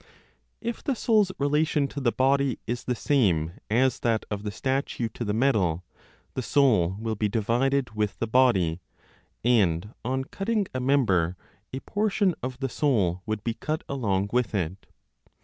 If the soul's relation to the body is the same as that of the statue to the metal, the soul will be divided with the body, and on cutting a member a portion of the soul would be cut along with it.